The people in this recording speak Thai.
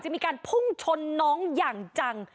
มีการพุ่งชนน้องอย่างจัง